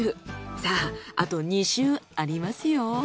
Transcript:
さああと２周ありますよ。